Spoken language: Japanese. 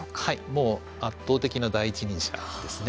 もう圧倒的な第一人者ですね。